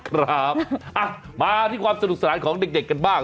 ครับมาที่ความสนุกสนานของเด็กกันบ้าง